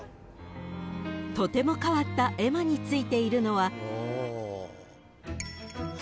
［とても変わった絵馬についているのは］